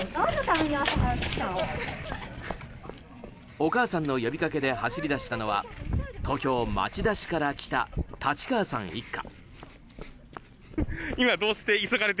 お母さんの呼びかけで走り出したのは東京・町田市から来た立川さん一家。